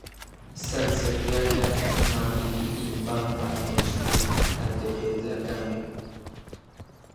San se tlakatl ma miki inpampa nochtin altepetlakamej.